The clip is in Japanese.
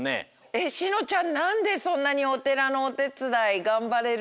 えっしのちゃんなんでそんなにおてらのおてつだいがんばれるの？